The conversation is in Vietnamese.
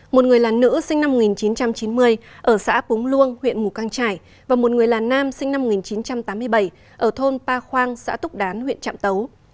một người là nữ sinh năm một nghìn chín trăm chín mươi ở xã búng luông huyện ngũ căng trải và một người là nam sinh năm một nghìn chín trăm tám mươi bảy ở thôn pa khoang xã túc đán huyện trạm tấu